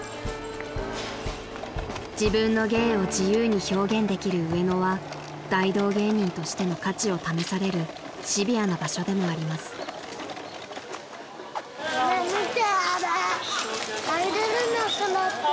［自分の芸を自由に表現できる上野は大道芸人としての価値を試されるシビアな場所でもあります］